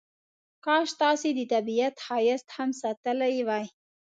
کاش تاسې د طبیعت ښایست هم ساتلی وای.